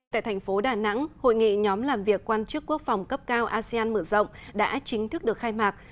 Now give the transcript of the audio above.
tại thành phố đà nẵng hội nghị nhóm làm việc quan chức quốc phòng cấp cao asean mở rộng đã chính thức được khai mạc